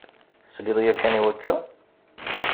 Tesliḍ yakan i wakka?